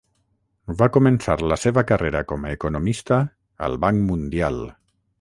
Va començar la seva carrera com a economista al Banc Mundial.